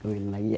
gue minum lagi ya